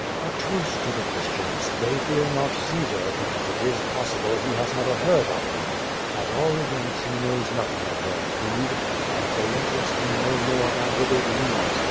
"A truce to the Christians. They fear not Caesar, because it is possible he has never heard of them. At all events he knows nothing of their creed, and they interest him no more than withered leaves.